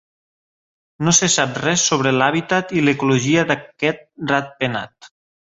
No se sap res sobre l'hàbitat i l'ecologia d'aquest ratpenat.